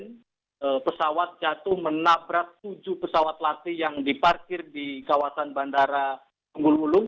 kemudian pesawat jatuh menabrak tujuh pesawat latih yang diparkir di kawasan bandara tunggul ulung